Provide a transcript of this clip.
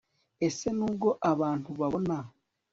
Ese nubwo abantu babona